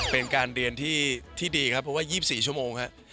เป็นการเรียนที่ดีครับเพราะว่า๒๔ชั่วโมงครับ